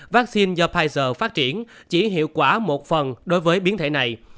vaccine do pfizer phát triển chỉ hiệu quả một phần đối với biến thể này